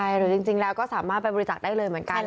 หรือจริงแล้วก็สามารถไปบริจาคได้เลยเหมือนกัน